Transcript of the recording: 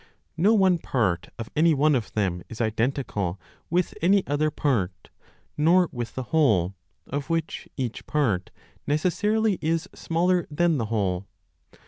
No one part of any one of them is identical with any other part, nor with the whole, of which each part necessarily is smaller than the whole.